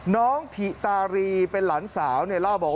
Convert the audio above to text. ถิตารีเป็นหลานสาวเนี่ยเล่าบอก